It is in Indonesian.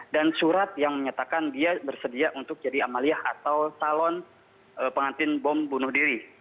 surat yang menyatakan dia bersedia untuk jadi amaliyah atau salon pengantin bom bunuh diri